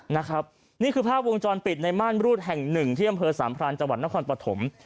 นี่คือภาพวงจรปิดในบ้านรูดแห่ง๑ที่อำเภอสามพรานจนครปฐม